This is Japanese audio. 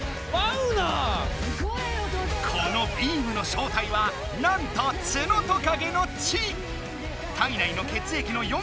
このビームの正体はなんとツノトカゲの血！